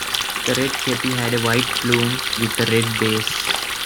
The red kepi had a white plume with a red base.